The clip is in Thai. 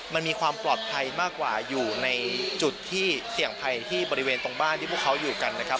มันมีความปลอดภัยมากกว่าอยู่ในจุดที่เสี่ยงภัยที่บริเวณตรงบ้านที่พวกเขาอยู่กันนะครับ